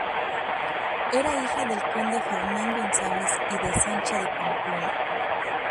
Era hija del conde Fernán González y de Sancha de Pamplona.